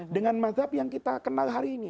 dengan mazhab yang kita kenal hari ini